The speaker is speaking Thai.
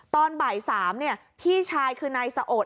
ตอนบ่ายสามนี้พี่ชายคือนายสอด